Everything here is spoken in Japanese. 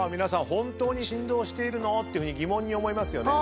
「本当に振動しているの？」と疑問に思いますよね？